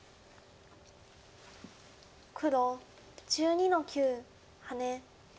黒１２の九ハネ。